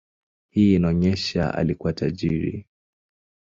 Hii inaonyesha alikuwa tajiri.